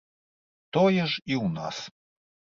Тое ж і ў нас.